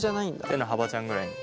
手の幅ちゃんくらいに。